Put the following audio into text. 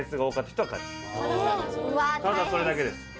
ただそれだけです